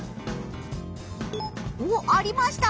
おっありました！